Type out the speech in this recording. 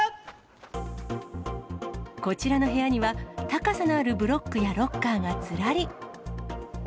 こちらの部屋には、高さのあるブロックやロッカーがずらり。